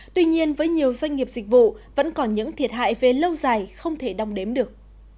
tuy nhiên với nhiều doanh nghiệp dịch vụ vẫn còn những thiệt hại về lâu dài không thể đong đếm được